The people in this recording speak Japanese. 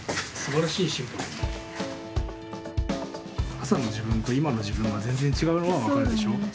朝の自分と今の自分が全然違うのは分かるでしょ？